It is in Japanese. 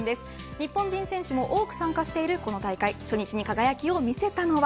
日本人選手も多く参加しているこの大会初日に輝きを見せたのは。